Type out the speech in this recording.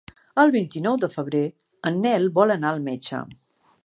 El vint-i-nou de febrer en Nel vol anar al metge.